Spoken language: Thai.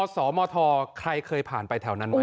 สมทใครเคยผ่านไปแถวนั้นไหม